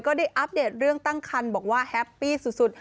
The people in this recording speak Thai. ได้อัปเดตเรื่องตั้งคันบอกว่าแฮปปี้สุด